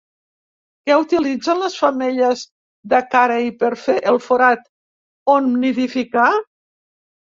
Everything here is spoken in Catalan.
Què utilitzen les femelles de carei per fer el forat on nidificar?